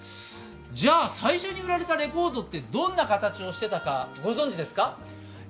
じゃ、最初に売られたレコードってどんな形をしてたかご存じですか？